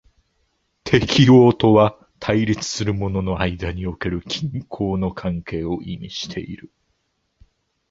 適応とは対立するものの間における均衡の関係を意味している。